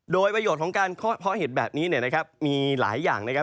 โดยประโยชน์ของการเพาะเห็ดแบบนี้เนี่ยนะครับมีหลายอย่างนะครับ